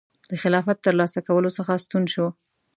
د خلافت ترلاسه کولو څخه ستون شو.